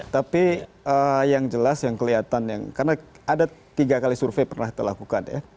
tapi yang jelas yang kelihatan yang karena ada tiga kali survei pernah kita lakukan ya